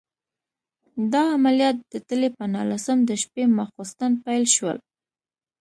دا عملیات د تلې په نولسم د شپې ماخوستن پیل شول.